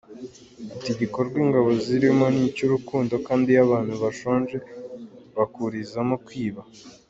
Ati:”Igikorwa ingabo zirimo ni icy’urukundo, kandi iyo abantu bashonje bakurizamo kwiba”.